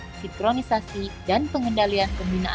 melaksanakan koordinasi sinkronisasi dan pengendalian ideologi pancasila